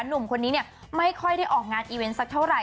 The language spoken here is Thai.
หนุ่มคนนี้เนี่ยไม่ค่อยได้ออกงานอีเวนต์สักเท่าไห